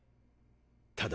ただ。